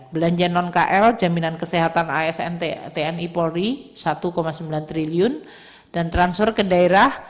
belanja non kl jaminan kesehatan asn tni polri satu sembilan triliun dan transfer ke daerah